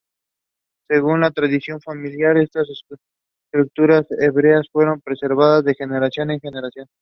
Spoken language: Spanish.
Según la tradición familiar, estas escrituras hebreas fueron preservadas de generación en generación.